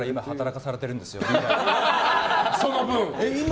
その分。